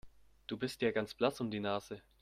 Du bist ja ganz blass um die Nase.